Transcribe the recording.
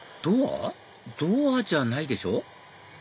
ドアじゃないでしょ